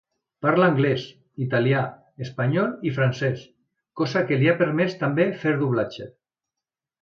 Parla anglès, italià, espanyol i francès, cosa que li ha permès també fer doblatge.